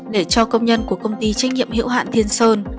để cho công nhân của công ty trách nhiệm hiệu hạn thiên sơn